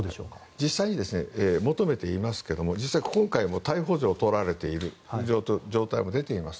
実際求めていますが実際、今回逮捕状をとられている状態も出ています。